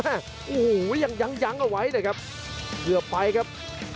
โอ้โหยังยั้งยั้งเอาไว้เลยครับเกือบไปครับ